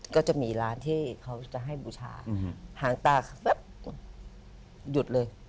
ก็จะมีร้านที่เขาจะให้บูชาหางตาเขาแบบหยุดเลย